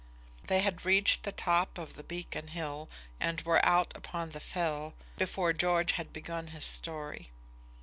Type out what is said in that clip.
They had reached the top of the beacon hill, and were out upon the Fell, before George had begun his story.